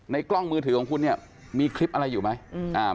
ในกล้องมือถือของคุณมีคลิปอะไรอยู่ไหม